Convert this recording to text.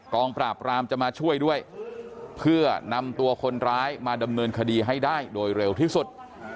งปราบรามจะมาช่วยด้วยเพื่อนำตัวคนร้ายมาดำเนินคดีให้ได้โดยเร็วที่สุด